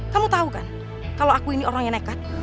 kamu tahu kan kalau aku ini orang yang nekat